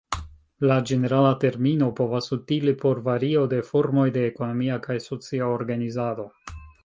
La ĝenerala termino povas utili por vario de formoj de ekonomia kaj socia organizado.